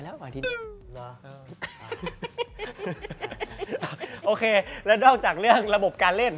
และนอกจากเรื่องระบบการเล่น